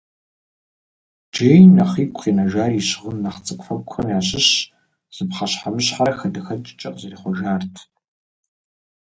Джейн нэхъ игу къинэжар и щыгъын нэхъ цӏыкӏуфэкӏухэм ящыщ зы пхъэщхьэмыщхьэрэ хадэхэкӏкӏэ къызэрихъуэжарт.